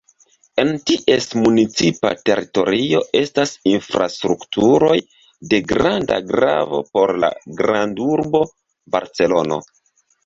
En ties municipa teritorio estas infrastrukturoj de granda gravo por la grandurbo Barcelono.